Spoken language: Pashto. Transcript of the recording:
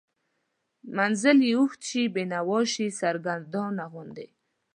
منزل یې اوږد شي، بینوا شي، سرګردانه غوندې